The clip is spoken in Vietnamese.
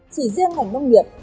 chỉ riêng hành nông nghiệp